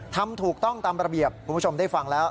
ทำถูกต้องตามระเบียบคุณผู้ชมได้ฟังแล้ว